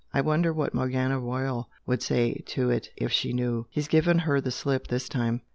I wonder what Morgana Royal would say to it, if she knew! He's given her the slip this time!"